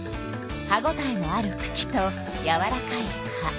歯ごたえのあるくきとやわらかい葉。